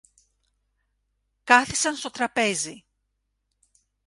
Κάθισαν στο τραπέζι.